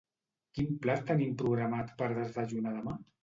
Quin plat tenim programat per desdejunar demà?